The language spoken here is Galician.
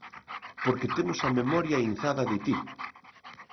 Porque temos a memoria inzada de ti.